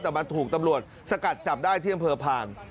แต่มันถูกตำรวจสกัดจับได้ที่เยี่ยมเผลอพลาง